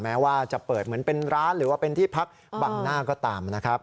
แม้ว่าจะเปิดเหมือนเป็นร้านหรือว่าเป็นที่พักบังหน้าก็ตามนะครับ